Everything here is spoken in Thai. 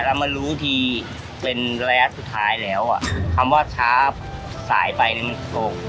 แล้วมารู้ที่เป็นแรกสุดท้ายแล้วคำว่าช้าสายไปมันโกรธ